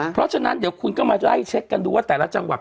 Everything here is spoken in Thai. เพราะฉะนั้นเดี๋ยวคุณก็มาไล่เช็คกันดูว่าแต่ละจังหวัด